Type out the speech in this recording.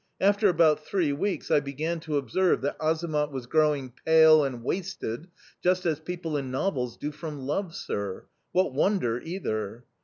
After about three weeks, I began to observe that Azamat was growing pale and wasted, just as people in novels do from love, sir. What wonder either!...